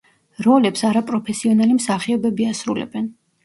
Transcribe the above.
როლებს არაპროფესიონალი მსახიობები ასრულებენ.